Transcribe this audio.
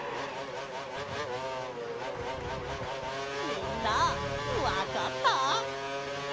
みんなわかった？